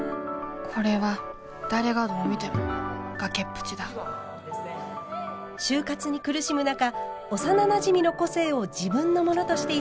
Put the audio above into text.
これは誰がどう見ても崖っぷちだ就活に苦しむ中幼なじみの個性を自分のものとして偽った主人公。